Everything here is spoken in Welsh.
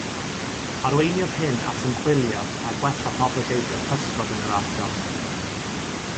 Arweiniodd hyn at ymchwilio a gwella poblogaethau pysgod yn yr ardal.